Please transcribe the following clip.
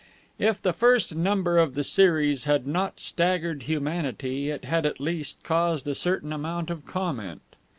If the first number of the series had not staggered humanity, it had at least caused a certain amount of comment.